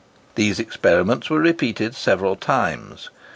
These experiments were repeated several times.